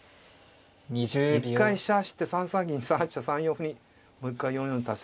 一回飛車走って３三銀３八飛車３四歩にもう一回４四歩垂らしたら３六あっ！